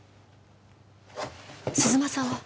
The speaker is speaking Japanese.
鈴間さんは？